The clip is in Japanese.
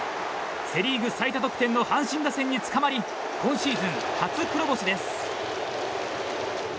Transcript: セ・リーグ最多得点の阪神打線につかまり今シーズン、初黒星です。